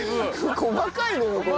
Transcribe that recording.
細かいのよこれ。